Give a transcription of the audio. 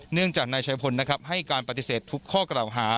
เนื่องจากนายชายพลนะครับให้การปฏิเสธทุกข้อกล่าวหา